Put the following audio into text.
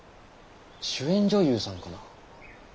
主演女優さんかな。